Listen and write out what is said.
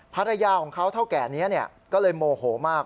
ภรรยาของเขาเท่าแก่นี้ก็เลยโมโหมาก